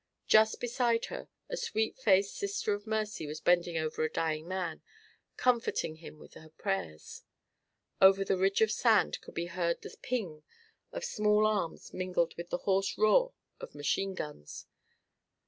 Just beside her a sweet faced Sister of Mercy was bending over a dying man, comforting him with her prayers. Over the ridge of sand could be heard the "ping" of small arms mingled with the hoarse roar of machine guns.